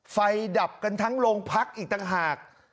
ดับกันทั้งโรงพักอีกต่างหาก